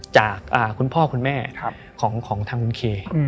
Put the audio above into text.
จากคุณพ่อคุณแม่ของทางคุณเค